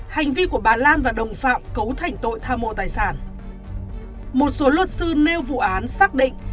hành vi của bà lan và đồng phạm cấu thành tội tham mô tài sản một số luật sư nêu vụ án xác định